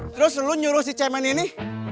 terus lu nyuruh si cemen ini